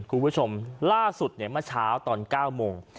คุณผู้ชมล่าสุดเนี่ยเมื่อเช้าตอน๙โมง